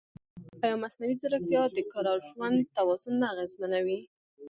ایا مصنوعي ځیرکتیا د کار او ژوند توازن نه اغېزمنوي؟